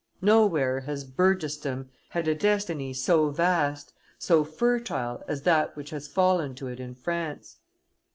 Nowhere has burgessdom had a destiny so vast, so fertile as that which has fallen to it in France.